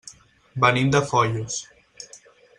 Venim de Foios.